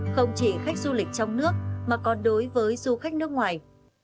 không chỉ khách du lịch trong nước mà còn đối với du khách nước ngoài